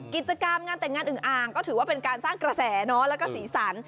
กิจกรรมงานแต่งงานอึงอ่างก็ถือว่าเป็นการสร้างกระแสแล้วก็สีสัน